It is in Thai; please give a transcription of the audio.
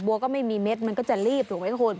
ก็ไม่มีเม็ดมันก็จะรีบถูกไหมคุณ